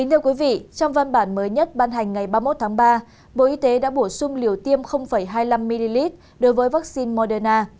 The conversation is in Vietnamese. trong văn bản mới nhất ban hành ngày ba mươi một tháng ba bộ y tế đã bổ sung liều tiêm hai mươi năm ml đối với vaccine moderna